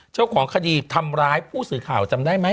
เจ้าของคดีทำร้ายผู้สื่อข่าวจำได้ไหม